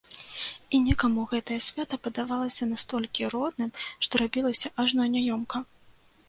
І некаму гэтае свята падавалася настолькі родным, што рабілася ажно няёмка.